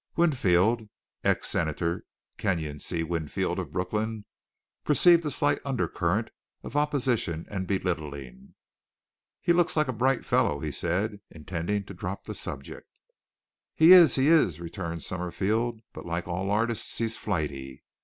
Winfield (ex Senator Kenyon C. Winfield, of Brooklyn) perceived a slight undercurrent of opposition and belittling. "He looks like a bright fellow," he said, intending to drop the subject. "He is, he is," returned Summerfield; "but like all artists, he's flighty.